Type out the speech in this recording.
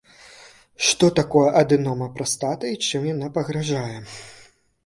Што такое адэнома прастаты і чым яна пагражае?